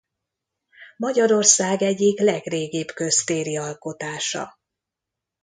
Magyarország egyik legrégibb köztéri alkotása.